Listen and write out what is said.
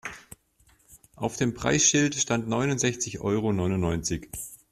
Auf dem Preisschild stand neunundsechzig Euro neunundneunzig.